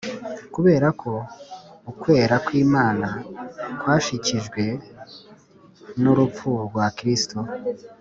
Kubera ko ukwera kw'Imana kwashikijwe n'urupfu rwa Kristo,